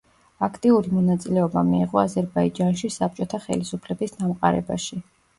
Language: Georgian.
აქტიური მონაწილეობა მიიღო აზერბაიჯანში საბჭოთა ხელისუფლების დამყარებაში.